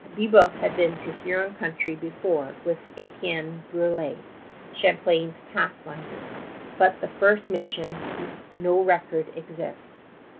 Brébeuf had been to the Huron country before with Etienne Brulé, Champlain's pathfinder; but of the first mission no record exists.